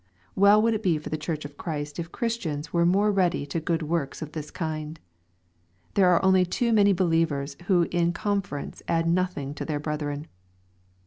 Well would it be for the Church of Chris t,if Christians were more ready to good works of this kind ! There are only too many believers who in conference add nothing to their brethren.